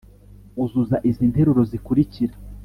Uzuza izi interuro zikurikira